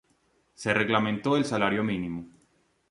Se reglamentó el salario mínimo.